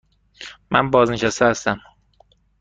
من بازنشسته هستم.